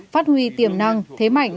phát huy tiềm năng thế mạnh